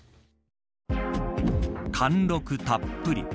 貫禄たっぷり。